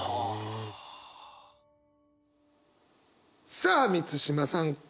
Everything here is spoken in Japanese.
さあ満島さん。